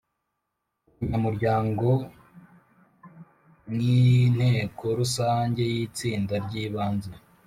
ubunyamuryango n inteko Rusange y itsinda ry ibanze